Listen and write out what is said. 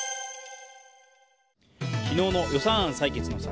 昨日の予算案採決の際